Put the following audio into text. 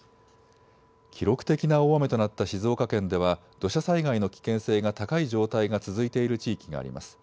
記録的な大雨となった静岡県では土砂災害の危険性が高い状態が続いている地域があります。